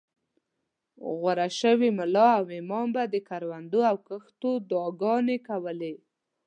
غوره شوي ملا او امام به د کروندو او کښتو دعاګانې کولې.